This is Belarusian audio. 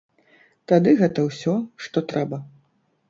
Тады гэта ўсё, што трэба.